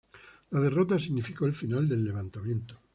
La derrota significó el final del levantamiento.